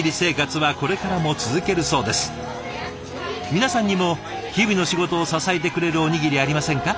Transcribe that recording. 皆さんにも日々の仕事を支えてくれるおにぎりありませんか？